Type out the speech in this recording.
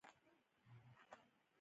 د برګ مټال ولسوالۍ لیرې ده